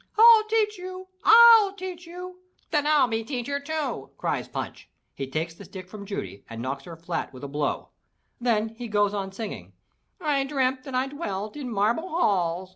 "I'll teach you! I'll teach you!" "Then I be teacher too!" cries Punch. He takes the stick from Judy and knocks her flat with a blow, then he goes on singing: "/ dreamt that I dwelt in marble halls.